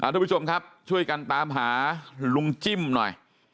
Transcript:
ทุกผู้ชมครับช่วยกันตามหาลุงจิ้มหน่อย